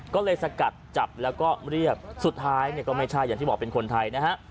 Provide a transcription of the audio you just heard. ก็เลยสกัดจับแล้วก็เรียกสุดท้ายเนี่ยก็ไม่ใช่อย่างที่บอกเป็นคนไทยนะฮะ